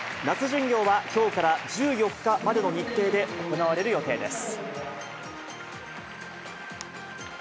巡業は、きょうから１４日までの日程で行われる予定です。